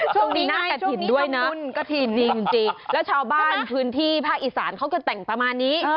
ช่วงนี้หน้ากระถิ่นด้วยนะกระถิ่นดีจริงแล้วชาวบ้านพื้นที่ภาคอีสานเขาก็แต่งประมาณนี้